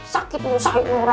sakit sakit merah